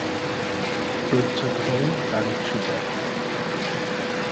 প্রচ্ছদ করেন তারিক সুজাত।